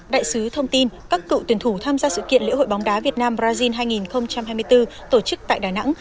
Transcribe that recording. đại sứ thông tin các cựu tuyển thủ tham gia sự kiện lễ hội bóng đá việt nam brazil hai nghìn hai mươi bốn tổ chức tại đà nẵng